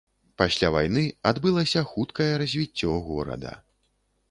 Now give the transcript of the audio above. Пасля вайны адбылася хуткае развіццё горада.